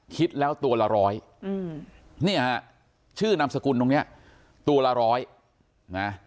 คิดแล้วตัวละ๑๐๐นี่ชื่อนามสกุลตรงนี้ตัวละ๑๐๐